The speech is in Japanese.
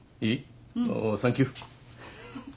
おおサンキュー。